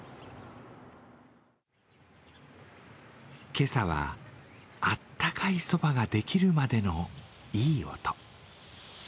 今朝は、あったかいそばができるまでのいい音。